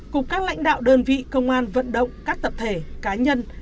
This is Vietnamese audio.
cùng các lãnh đạo đơn vị công an vận động các tập thể cá nhân